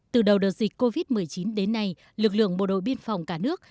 từ đầu đợt dịch covid một mươi chín đến nay lực lượng bộ đội biên phòng cả nước